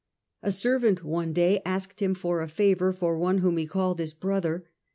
A servant one day asked him for a favour for one whom he called his brother.